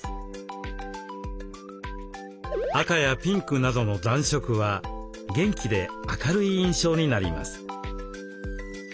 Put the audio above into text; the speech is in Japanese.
赤やピンクなどの暖色は元気で明るい印象になります。